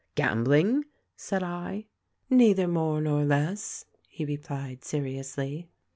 "'Gambling?' said I. " 'Neither more nor less,' he replied seriously.